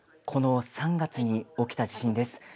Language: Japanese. この３月に起きた地震です。